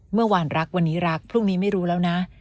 เมื่อวานรักวันนี้รักพรุ่งนี้ไม่รู้แล้วนะ